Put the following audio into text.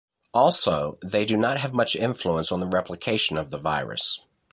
Also, they do not have much influence on the replication of the virus.